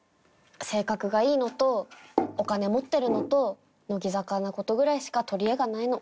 性格がいいのとお金持ってるのと乃木坂な事ぐらいしか取り柄がないの。